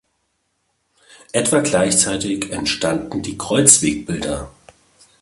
Etwa gleichzeitig entstanden die Kreuzwegbilder.